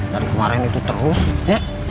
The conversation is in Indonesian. kemarin itu terus ya